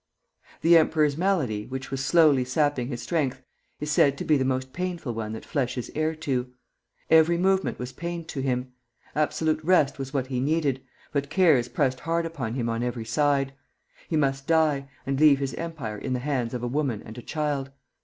The emperor's malady, which was slowly sapping his strength, is said to be the most painful one that flesh is heir to. Every movement was pain to him. Absolute rest was what he needed, but cares pressed hard upon him on every side. He must die, and leave his empire in the hands of a woman and a child.